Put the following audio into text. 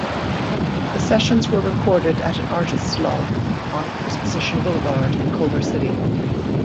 The sessions were recorded at an artist's loft on Exposition Boulevard in Culver City.